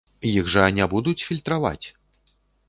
Іх жа не будуць фільтраваць!